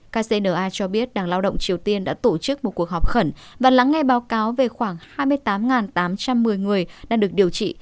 kcna cho biết đảng lao động triều tiên đã tổ chức một cuộc họp khẩn và lắng nghe báo cáo về khoảng hai mươi tám tám trăm một mươi người đang được điều trị